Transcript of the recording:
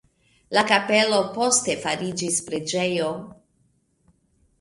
La kapelo poste fariĝis preĝejo.